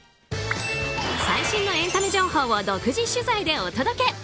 最新のエンタメ情報を独自取材でお届け。